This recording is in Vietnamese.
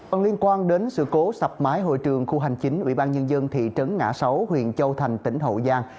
còn liên quan đến sự cố sập mái hội trường khu hành chính ủy ban nhân dân thị trấn ngã sáu huyện châu thành tỉnh hậu giang